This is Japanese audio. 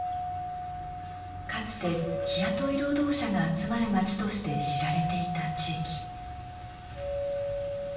かつて日雇い労働者が集まる街として知られていた地域。